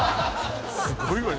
すごいわね